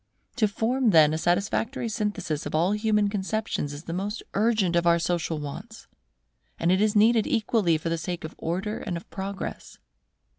To form then a satisfactory synthesis of all human conceptions is the most urgent of our social wants: and it is needed equally for the sake of Order and of Progress.